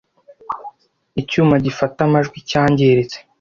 Icyuma gifata amajwi cyangiritse